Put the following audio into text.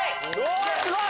すごい！